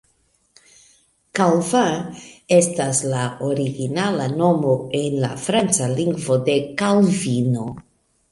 Calvin estas la originala nomo en la franca lingvo de Kalvino.